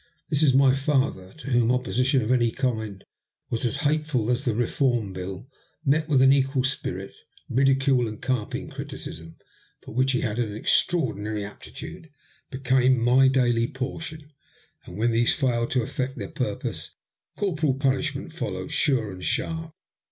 This my father, to whom opposition of any kind was as hateful as the Reform Bill, met with an equal spirit. Ridi cule and carping criticism, for which he had an extra ordinary aptitude, became my daily portion, and when these failed to effect their purpose, corporal punishment followed sure and sharp.